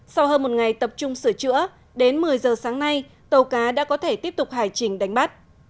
sau hơn một ngày tập trung sửa chữa đến một mươi giờ sáng nay tàu cá đã có thể tiếp tục hải trình đánh bắt